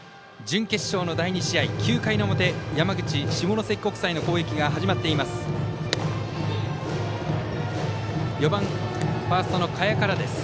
準決勝の第２試合９回の表山口・下関国際の攻撃が始まっています。